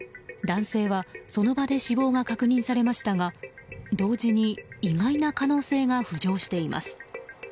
男性はその場で死亡が確認されましたが同時に意外な可能性が浮上しています。